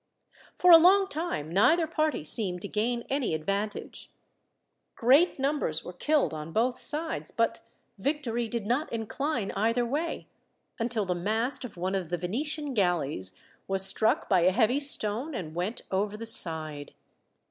For a long time, neither party seemed to gain any advantage. Great numbers were killed on both sides, but victory did not incline either way, until the mast of one of the Venetian galleys was struck by a heavy stone and went over the side.